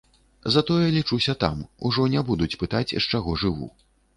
Затое лічуся там, ужо не будуць пытаць, з чаго жыву.